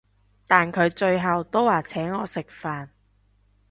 但佢最後都話請我食飯